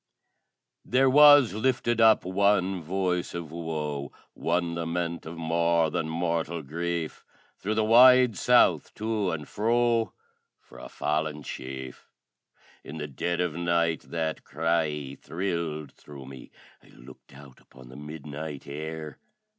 There was lifted up one voice of woe, One lament of more than mortal grief, Through the wide South to and fro, For a fallen Chief. In the dead of night that cry thrilled through me, I looked out upon the midnight air?